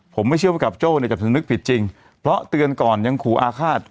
ผมไม่เชื่อภูมิกับโจ้เนี่ยจะสำนึกผิดจริงเพราะเตือนก่อนยังขู่อาฆาต